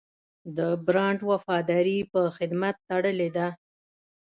د برانډ وفاداري په خدمت تړلې ده.